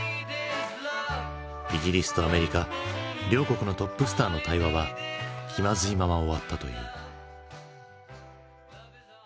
イギリスとアメリカ両国のトップスターの対話は気まずいまま終わったという。